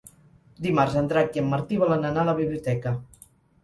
Dimarts en Drac i en Martí volen anar a la biblioteca.